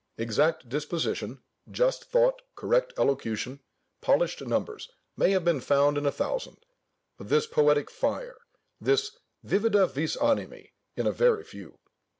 Exact disposition, just thought, correct elocution, polished numbers, may have been found in a thousand; but this poetic fire, this "vivida vis animi," in a very few.